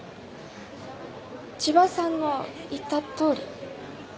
千葉さんの言ったとおり。